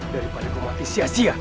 daripada kau mati sia sia